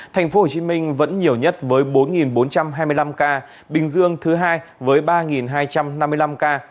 thành phố hồ chí minh vẫn nhiều nhất với bốn bốn trăm hai mươi năm ca bình dương thứ hai với ba hai trăm năm mươi năm ca